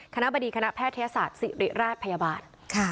คณะบดีคณะแพทยศาสตร์ศิริราชพยาบาล